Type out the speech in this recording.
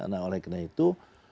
nah oleh karena itu